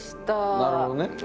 なるほどね。